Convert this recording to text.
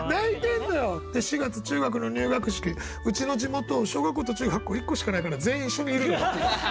で４月中学の入学式うちの地元小学校と中学校１校しかないから全員一緒にいるのよ。